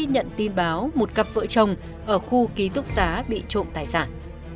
nhận tin báo một cặp vợ chồng ở khu ký túc xá bị trộm tài sản